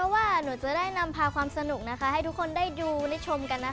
ว่าหนูจะได้นำพาความสนุกให้ทุกคนได้ดูได้ชมกันนะคะ